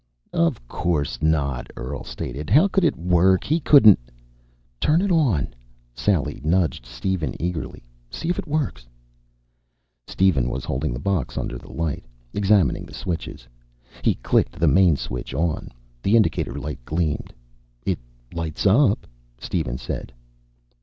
"Of course not," Earl stated. "How could it work? He couldn't " "Turn it on!" Sally nudged Steven eagerly. "See if it works." Steven was holding the box under the light, examining the switches. He clicked the main switch on. The indicator light gleamed. "It lights up," Steven said.